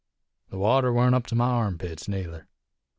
The water warn't up to me arm pits, neether.